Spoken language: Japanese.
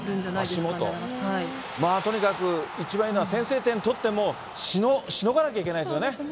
まあとにかく、一番いいのは、先制点とってもしのがなきゃいけないですよね。